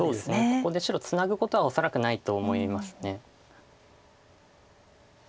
ここで白ツナぐことは恐らくないと思います。